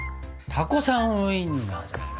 タコさんウインナーじゃないな。